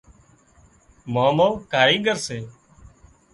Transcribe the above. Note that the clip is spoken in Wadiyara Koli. مامو ڪايڳر سي